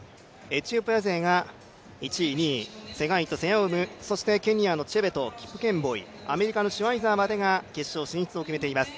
エチオピア勢が１位、２位ツェガイとセヤウム、そして、ケニアのチェベトキプケンボイアメリカのシュワイザーまでが決勝進出を決めています。